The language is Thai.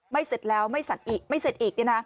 เสร็จแล้วไม่สั่นอีกไม่เสร็จอีก